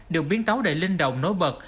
được biến tấu đầy linh động nối bật